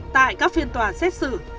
tại các phiên tòa xét xử